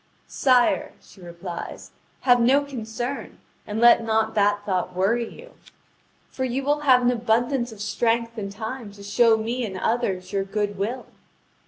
"Sire," she replies, "have no concern, and let not that thought worry you! For you will have an abundance of strength and time to show me and others your good will.